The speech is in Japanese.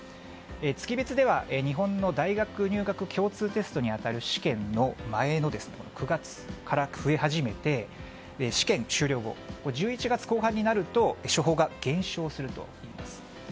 月別では日本の大学入学共通テストに当たる試験の前の９月から増え始めて試験終了後、１１月後半になると処方が減少するといいます。